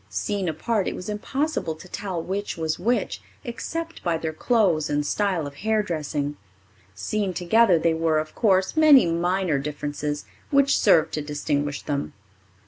Seen apart it was impossible to tell which was which except by their clothes and style of hairdressing. Seen together there were, of course, many minor differences which served to distinguish them.